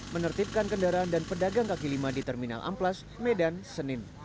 menertibkan kendaraan dan pedagang kaki lima di terminal amplas medan senin